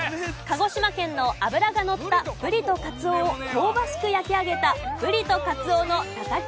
鹿児島県の脂がのったブリとカツオを香ばしく焼きあげたブリとカツオのたたきセットと。